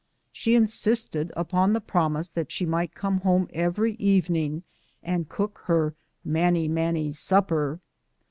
She insisted upon the promise that she might come home every evening and cook her " manny mauny's supper."